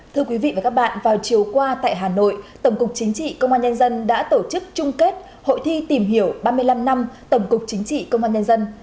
thưa quý vị và các bạn vào chiều qua tại hà nội tổng cục chính trị công an nhân dân đã tổ chức trung kết hội thi tìm hiểu ba mươi năm năm tổng cục chính trị công an nhân dân